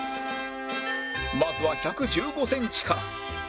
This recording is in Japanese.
まずは１１５センチから